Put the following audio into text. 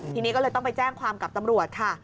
ทีนี้ก็เลยต้องไปแจ้งความกับตำรวจค่ะ